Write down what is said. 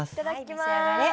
はい召し上がれ。